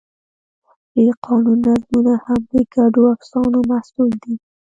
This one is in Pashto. د قانون نظامونه هم د ګډو افسانو محصول دي.